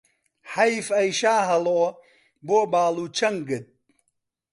حەیف ئەی شاهەڵۆ بۆ باڵ و چەنگت